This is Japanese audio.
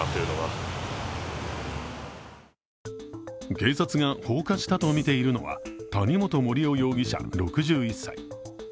警察が放火したとみているのは谷本盛雄容疑者６１歳。